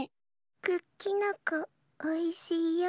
クッキノコおいしいよ。